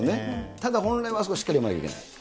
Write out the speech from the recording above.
ただ本来はあそこをしっかり読まないといけない。